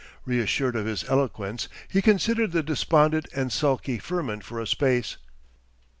Reassured of his eloquence, he considered the despondent and sulky Firmin for a space.